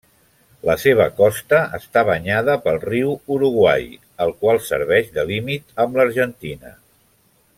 La seva costa està banyada pel riu Uruguai, el qual serveix de límit amb l'Argentina.